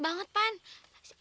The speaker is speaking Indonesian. badannya panas banget pan